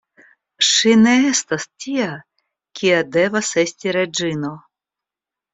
Ŝi ne estas tia, kia devas esti reĝino.